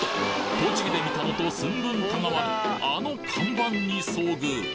栃木で見たのと寸分たがわぬあの看板に遭遇！